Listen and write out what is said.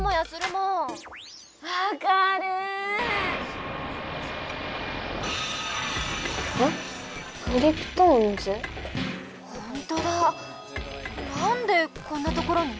なんでこんなところに？